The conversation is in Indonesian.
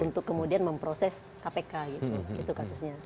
untuk kemudian memproses kpk gitu itu kasusnya